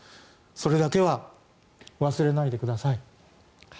それだけは忘れないでください。